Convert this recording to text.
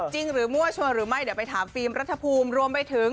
จริงหรือมั่วชวนหรือไม่เดี๋ยวไปถามฟิล์มรัฐภูมิรวมไปถึง